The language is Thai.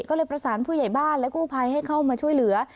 ก็เลยประสานผู้ใหญ่บ้านและกู้ภัยให้เข้ามาช่วยเหลือ